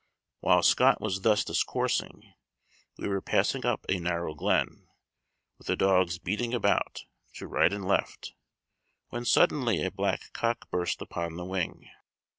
While Scott was thus discoursing, we were passing up a narrow glen, with the dogs beating about, to right and left, when suddenly a blackcock burst upon the wing.